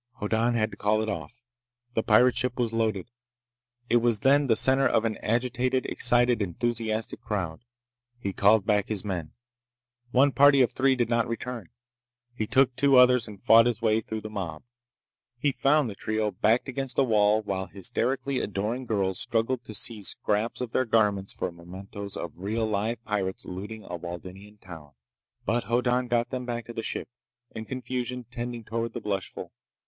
Hoddan had to call it off. The pirate ship was loaded. It was then the center of an agitated, excited, enthusiastic crowd. He called back his men. One party of three did not return. He took two others and fought his way through the mob. He found the trio backed against a wall while hysterically adoring girls struggled to seize scraps of their garments for mementos of real, live pirates looting a Waldenian town! But Hoddan got them back to the ship, in confusion tending toward the blushful.